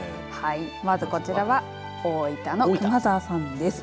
まずこちらは大分の熊澤さんです。